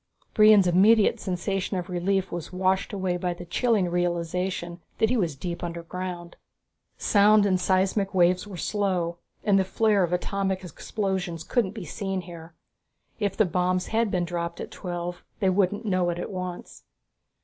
Brion's immediate sensation of relief was washed away by the chilling realization that he was deep underground. Sound and seismic waves were slow, and the flare of atomic explosions couldn't be seen here. If the bombs had been dropped at twelve they wouldn't know it at once.